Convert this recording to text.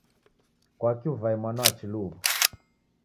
Kwaki uvae mwana wa chilu huwo?